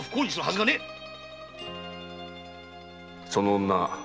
その女